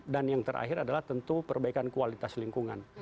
dan yang terakhir adalah tentu perbaikan kualitas lingkungan